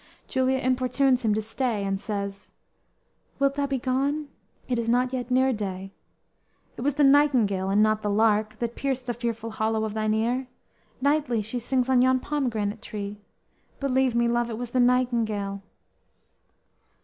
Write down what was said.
Juliet importunes him to stay, and says: _"Wilt thou be gone? It is not yet near day; It was the nightingale, and not the lark, That pierced the fearful hollow of thine ear; Nightly she sings on yon pomegranate tree; Believe me, love, it was the nightingale."